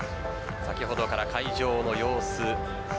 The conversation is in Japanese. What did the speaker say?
先ほどから会場の様子。